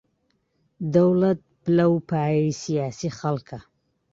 دەوڵەت پلە و پایەی سیاسیی خەڵکە